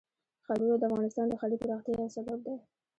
ښارونه د افغانستان د ښاري پراختیا یو سبب دی.